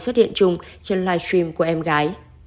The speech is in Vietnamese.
xuất hiện chung trên live stream của em gái